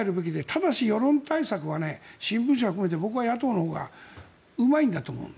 ただし、世論対策はね新聞社を含めて僕は野党のほうがうまいんだと思う。